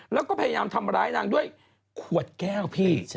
แล้วก็พยายามทำร้ายนางด้วยขวดแก้วพี่